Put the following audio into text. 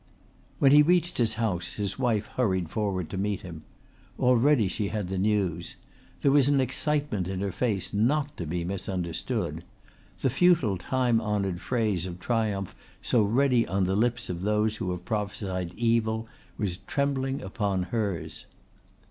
When he reached his house his wife hurried forward to meet him. Already she had the news. There was an excitement in her face not to be misunderstood. The futile time honoured phrase of triumph so ready on the lips of those who have prophesied evil was trembling upon hers.